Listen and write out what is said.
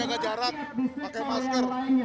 kita menjaga jarak pakai masker